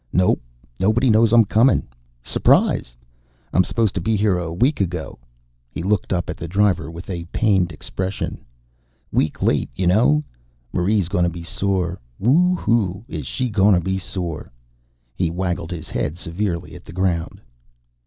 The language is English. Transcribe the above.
"Nope. Nobody knows I'm coming. S'prise. I'm supposed to be here a week ago." He looked up at the driver with a pained expression. "Week late, ya know? Marie's gonna be sore woo hoo! is she gonna be sore!" He waggled his head severely at the ground.